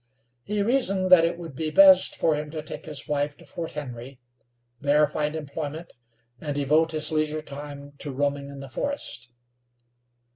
He reasoned that it would be best for him to take his wife to Fort Henry, there find employment, and devote his leisure time to roaming in the forest.